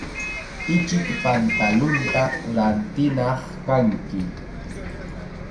Ichik pantalunta rintinaq kanki.